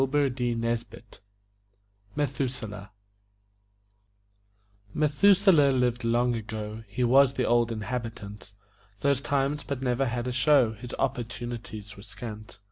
METHUSELAH Methuselah lived long ago He was the Old Inhabitant Those times, but never had a show; His opportunities were scant.